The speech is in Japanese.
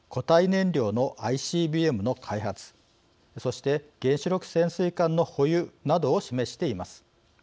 燃料のＩＣＢＭの開発そして原子力潜水艦の保有などを示しています。